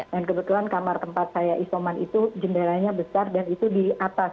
dan kebetulan kamar tempat saya isoman itu jendelanya besar dan itu di atas